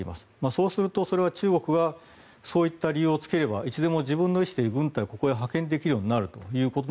そうすると、それは中国はそういった理由をつければいつでも自分の医師で軍隊をここに派遣できることになると。